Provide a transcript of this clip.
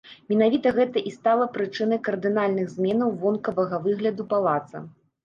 Менавіта гэта і стала прычынай кардынальных зменаў вонкавага выгляду палаца.